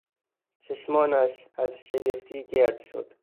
چشمانش از شگفتی گرد شد.